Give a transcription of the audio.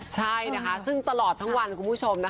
ใช่นะคะซึ่งตลอดทั้งวันคุณผู้ชมนะคะ